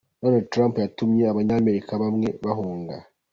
Donald Trump yatumye abanyamerika bamwe bahunga.